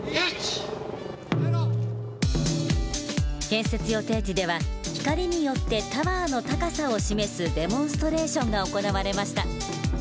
３２１０！建設予定地では光によってタワーの高さを示すデモンストレーションが行われました。